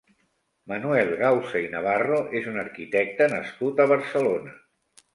Manuel Gausa i Navarro és un arquitecte nascut a Barcelona.